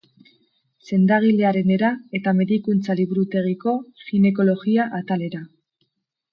Sendagilearenera eta medikuntza-liburutegiko ginekologia atalera.